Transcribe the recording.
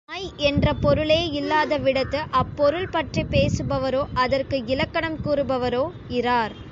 மேலும் நாய் என்ற பொருளே இல்லாதவிடத்து, அப்பொருள் பற்றிப் பேசுபவரோ, அதற்கு இலக்கணம் கூறுபவரோ இரார்.